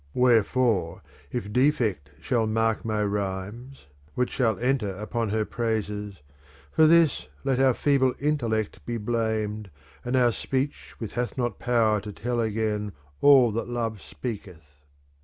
Wherefore if defect shall mark niy rhymes, which shall enter upon her praises, for this let our feeble intellect be blamed, and our speech which hath not power to tell again all that love speaketh.